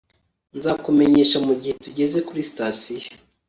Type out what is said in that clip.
Nzakumenyesha mugihe tugeze kuri sitasiyo